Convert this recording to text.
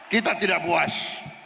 kita tidak puas